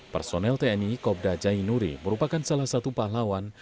personel tni kobda jai nuri merupakan salah satu pahlawan